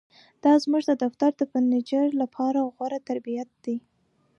دا زموږ د دفتر د فرنیچر لپاره غوره ترتیب دی